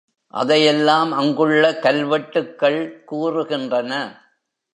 அதை எல்லாம் அங்குள்ள கல்வெட்டுக்கள் கூறுகின்றன.